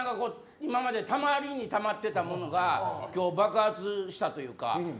今までたまりにたまってたものが今日爆発したというか。